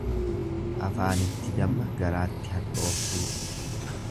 Afaanitti damma garaatti hadhooftuu.